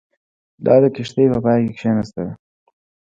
دا د کښتۍ په پای کې کښېناستله.